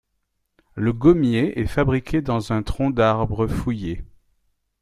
Le gommier est fabriqué dans un tronc d'arbre fouillé.